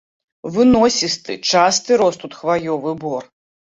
Выносісты, часты рос тут хваёвы бор.